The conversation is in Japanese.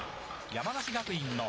山梨学院の林。